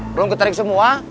belum ketarik semua